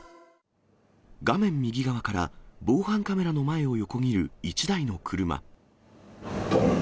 画面右側から防犯カメラの前を横切る一台の車。